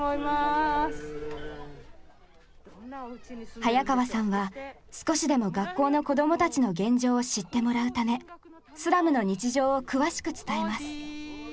早川さんは少しでも学校の子供たちの現状を知ってもらうためスラムの日常を詳しく伝えます。